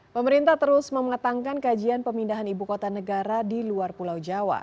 pemerintah terus memetangkan kajian pemindahan ibu kota negara di luar pulau jawa